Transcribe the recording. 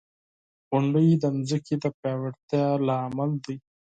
• غونډۍ د ځمکې د پیاوړتیا لامل دی.